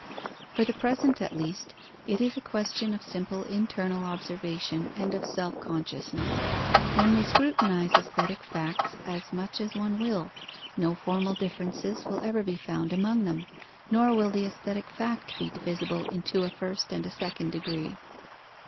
For the present at least, it is a question of simple internal observation and of self consciousness. One may scrutinize aesthetic facts as much as one will: no formal differences will ever be found among them, nor will the aesthetic fact be divisible into a first and a second degree.